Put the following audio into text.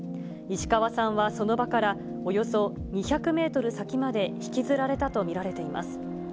石河さんはその場からおよそ２００メートル先まで引きずられたと見られています。